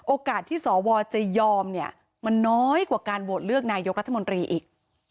โอกาสที่สวจะยอมเนี่ยมันน้อยกว่าการโหวตเลือกนายกรัฐมนตรีอีก